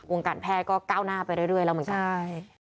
การแพทย์ก็ก้าวหน้าไปเรื่อยแล้วเหมือนกันใช่